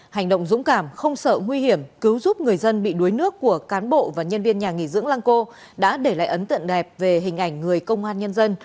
hành động dũng cảm không sợ nguy hiểm cứu giúp người dân bị đuối nước của cán bộ và nhân viên nhà nghỉ dưỡng lăng cô đã để lại ấn tượng đẹp về hình ảnh người công an nhân dân